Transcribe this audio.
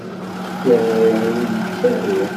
Tiɣri i wid yettarun.